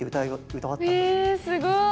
えすごい。